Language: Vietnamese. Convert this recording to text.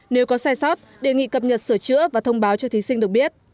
nếu có sai sót đề nghị cập nhật sửa chữa và thông báo cho thí sinh được biết